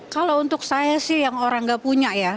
kalau untuk saya sih yang orang nggak punya ya